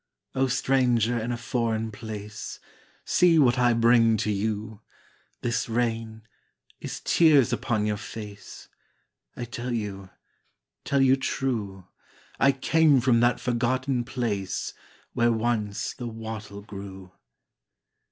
O stranger in a foreign place, See what I bring to you. This rain is tears upon your face; I tell you tell you true I came from that forgotten place Where once the wattle grew.